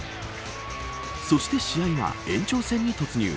そして、試合は延長戦に突入。